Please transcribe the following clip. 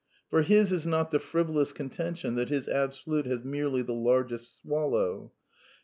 For his is not the frivolous contention that his Absolute has merely the largest swallow. As M.